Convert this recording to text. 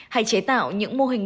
hay chế tạo những mô hình đối tượng